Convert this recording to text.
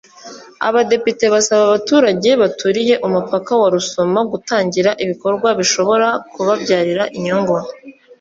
Aba badepite basaba abaturage baturiye umupaka wa Rusumo gutangira ibikorwa bishobora kubabyarira inyungu